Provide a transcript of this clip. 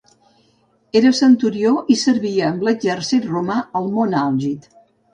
Era centurió i servia amb l'exèrcit romà al mont Àlgid.